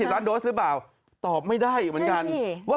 ล้านโดสหรือเปล่าตอบไม่ได้อีกเหมือนกันว่า